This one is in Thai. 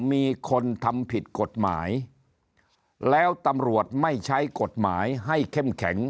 มีคนทำผิดกฎหมายแล้วตำรวจไม่ใช้กฎหมายให้เข้มแข็ง